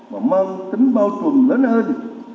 và mang tính bao trùm lớn hơn